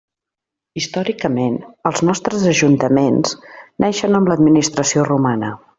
Històricament, els nostres ajuntaments naixen amb l'administració romana.